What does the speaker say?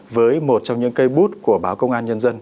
với một trong những cây bút của báo công an nhân dân